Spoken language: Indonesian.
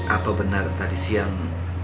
apa benar tadi siang